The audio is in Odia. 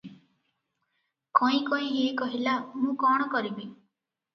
କଇଁ କଇଁ ହେଇ କହିଲା, ମୁଁ କଣ କରିବି?